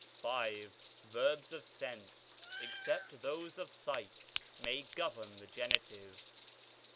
V. Verbs of sense, except those of sight, may govern the genitive.